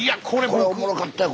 これおもろかったよ